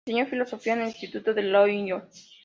Enseñó filosofía en el instituto de Lyon.